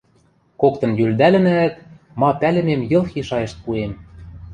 Коктын йӱлдӓлӹнӓӓт, ма пӓлӹмем йылхи шайышт пуэм...